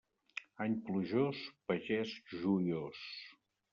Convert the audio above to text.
Any plujós, pagès joiós.